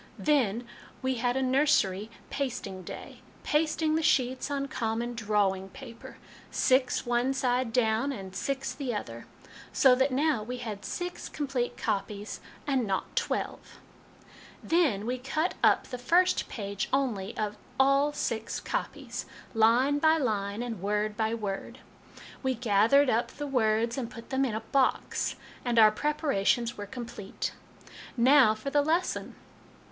" Then we had a nursery pasting day pasting the sheets on common drawing paper six one side down, and six the other ; so that now we had six complete copies, and not twelve. 212 HOME EDUCATION " Then we cut up the first page only, of all six copies, line by line, and word by word. We gathered up the words and put them in a box, and our prepara tions were complete. " Now for the lesson.